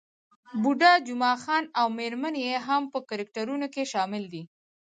بوډا جمعه خان او میرمن يې هم په کرکټرونو کې شامل دي.